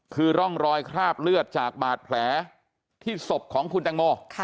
คือร่องรอยคราบเลือดจากบาดแผลที่ศพของคุณแตงโม